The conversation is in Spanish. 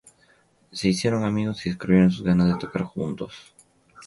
Se hicieron amigos y descubrieron sus ganas de tocar juntos.